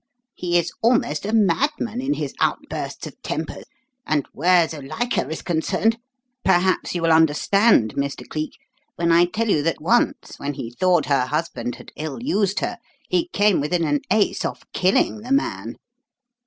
He is almost a madman in his outbursts of temper; and where Zuilika is concerned Perhaps you will understand, Mr. Cleek, when I tell you that once when he thought her husband had ill used her, he came within an ace of killing the man.